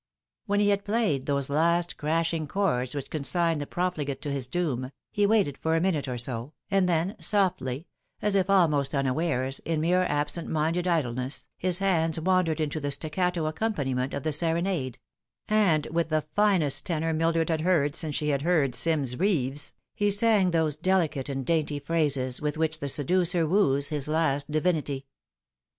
When he had played those last crashing chords which con signed the profligate to his doom, he waited for a minute or so, and then, softly, as if almost unawares, in mere absent minded idleness, his hands wandered into the staccato accompaniment of the serenade, and with the finest tenor Mildred had heard since she heard Sims Beeves, he sang those delicate and dainty phrases with which the seducer wooes his last divinity.